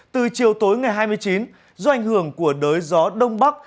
từ chiều tối ngày hai mươi chín do ảnh hưởng của đới gió đông bắc